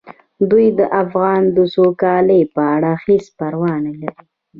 دوی د افغان د سوکالۍ په اړه هیڅ پروا نه لري.